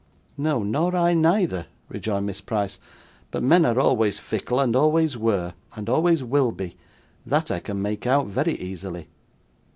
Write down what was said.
'No, nor I neither,' rejoined Miss Price; 'but men are always fickle, and always were, and always will be; that I can make out, very easily.